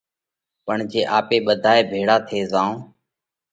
پڻ جي آپي ٻڌائي ڀيۯا ٿي زائون